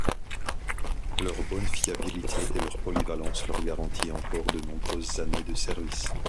Leur bonne fiabilité et leur polyvalence leur garantit encore de nombreuses années de service.